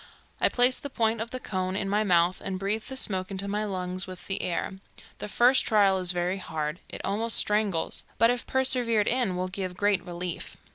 I place the point of the cone in my mouth, and breathe the smoke into my lungs with the air. The first trial is very hard; it almost strangles, but if persevered in will give great relief.